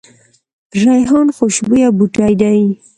ریحان خوشبویه بوټی دی